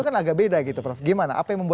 kenapa hal yang seharusnya simpel